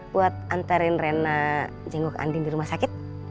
buat anterin rena jenguk anding di rumah sakit